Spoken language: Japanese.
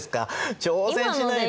挑戦しないと。